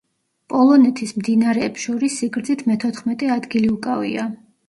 პოლონეთის მდინარეებს შორის სიგრძით მეთოთხმეტე ადგილი უკავია.